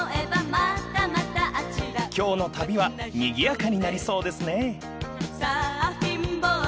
［今日の旅はにぎやかになりそうですね］